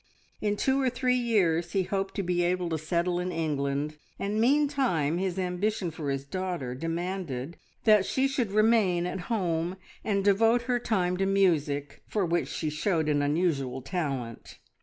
In two or three years he hoped to be able to settle in England, and meantime his ambition for his daughter demanded that she should remain at home and devote her time to music, for which she showed an unusual talent.